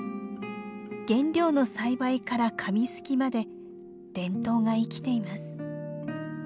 原料の栽培から紙すきまで伝統が生きています。